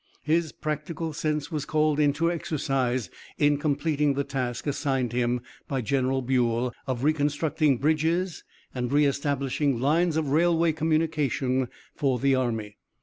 His practical sense was called into exercise in completing the task, assigned him by General Buell, of reconstructing bridges and re establishing lines of railway communication for the army.